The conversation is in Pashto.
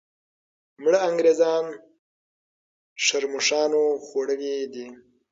مړه انګریزان ښرموښانو خوړلي دي.